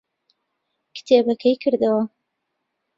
کتێبەکەی کردەوە.